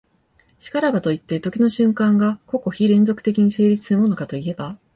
然らばといって、時の瞬間が個々非連続的に成立するものかといえば、